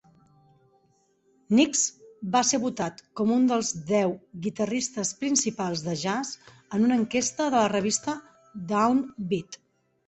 Nix va ser votat com un dels deu guitarristes principals de jazz en una enquesta de la revista "Down Beat".